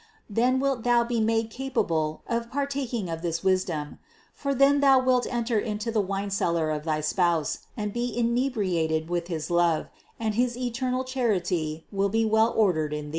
Then wilt thou be made capable of partaking of this wisdom; for then thou wilt enter into the wine cellar of thy Spouse and be inebriated with his love, and his eternal charity will be well ordered in thee.